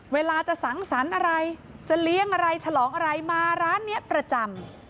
เวลาจะสังสรรค์อะไรจะเลี้ยงอะไรฉลองอะไรมาร้านนี้ประจำ